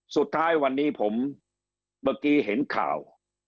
สุดท้ายวันนี้ผมเมื่อกี้เห็นข่าว